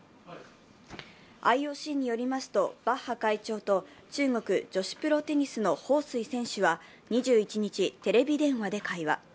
ＩＯＣによりますとバッハ会長と中国女子プロテニスの彭帥選手は２１日、テレビ電話で会話。